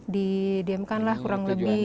didiamkan lah kurang lebih